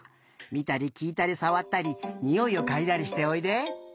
みたりきいたりさわったりにおいをかいだりしておいで。